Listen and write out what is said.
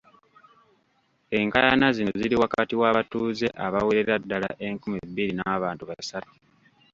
Enkaayana zino ziri wakati w’abatuuze abawerera ddala enkumi bbiri n’abantu basatu